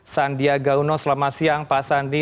sandiaga uno selamat siang pak sandi